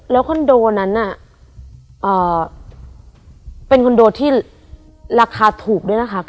แล้วคอนโดนั้นเป็นคอนโดที่ราคาถูกด้วยนะคะ